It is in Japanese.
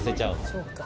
そうか。